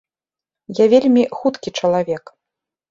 Я вельмі хуткі чалавек.